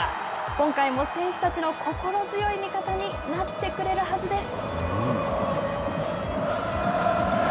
今回も選手たちの心強い味方になってくれるはずです。